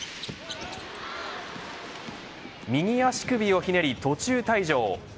右足首をひねり途中退場。